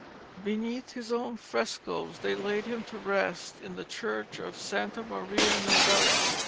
Beneath his own frescoes they laid him to rest in the church of Santa Maria Novella.